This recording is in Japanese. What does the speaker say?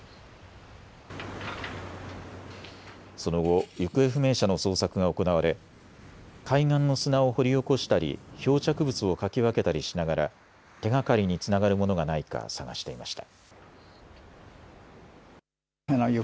その後、行方不明者の捜索が行われ海岸の砂を掘り起こしたり漂着物をかき分けたりしながら手がかりにつながるものがないか探していました。